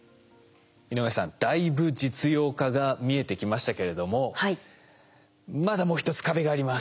井上さんだいぶ実用化が見えてきましたけれどもまだもう一つ壁があります。